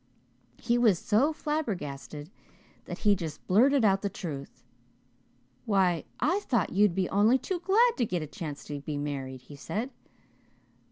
He was so flabbergasted that he just blurted out the truth. 'Why, I thought you'd be only too glad to get a chance to be married,' he said.